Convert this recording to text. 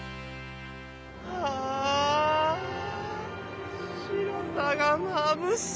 はあ。